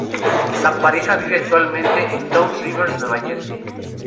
La pareja vive actualmente en Toms River, Nueva Jersey.